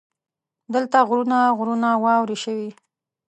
دلته غرونه غرونه واورې شوي.